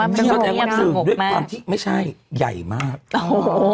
เพราะว่ามันเป็นโรงเรียนของหัวแม่ไม่ใช่ใหญ่มากโอ้โห